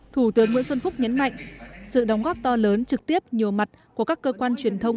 thủ tướng nguyễn xuân phúc nhấn mạnh sự đóng góp to lớn trực tiếp nhiều mặt của các cơ quan truyền thông